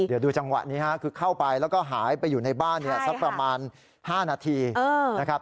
เดี๋ยวดูจังหวะนี้ฮะคือเข้าไปแล้วก็หายไปอยู่ในบ้านสักประมาณ๕นาทีนะครับ